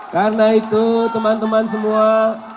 karena itu teman teman semua